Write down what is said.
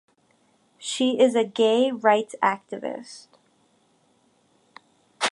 She is a gay rights activist.